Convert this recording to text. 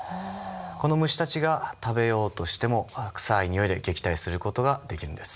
この虫たちが食べようとしても臭いにおいで撃退する事ができるんです。